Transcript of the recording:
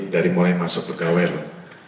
dari mulai masuk pegawai